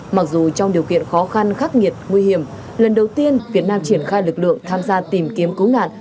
mặc dù trong điều kiện khó khăn khắc nghiệt nguy hiểm lần đầu tiên việt nam triển khai lực lượng tham gia tìm kiếm cứu nạn